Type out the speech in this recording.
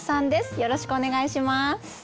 よろしくお願いします。